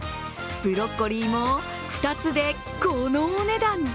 ブロッコリーも２つでこのお値段。